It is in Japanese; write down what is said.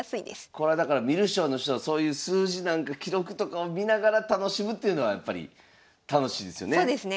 これはだから観る将の人はそういう数字なんか記録とかを見ながら楽しむというのはやっぱり楽しいですよね。